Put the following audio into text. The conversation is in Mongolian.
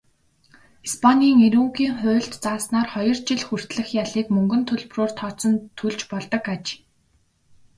Испанийн эрүүгийн хуульд зааснаар хоёр жил хүртэлх ялыг мөнгөн төлбөрөөр тооцон төлж болдог аж.